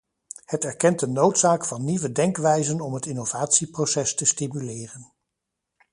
Het erkent de noodzaak van nieuwe denkwijzen om het innovatieproces te stimuleren.